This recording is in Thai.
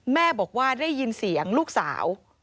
แม่บอกว่าได้ยินเสียงลูกสาว